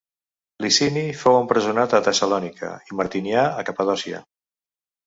Licini fou empresonat a Tessalònica i Martinià a Capadòcia.